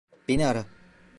Beni ara.